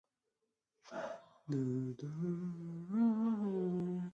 که تاسې د ټولنې پر بنسټ نوښت وکړئ، نو ښه پایلې به لرئ.